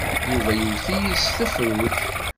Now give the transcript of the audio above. Yuba iwet-iyi s tefrut.